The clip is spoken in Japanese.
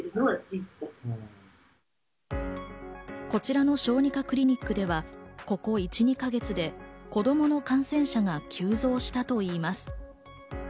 こちらの小児科クリニックでは、ここ１、２か月で子供の感染者が急増したといいます。